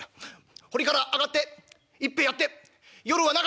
「『堀から上がって一杯やって夜は仲！